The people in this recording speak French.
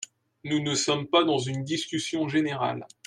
Nous ne sommes pas dans une discussion générale.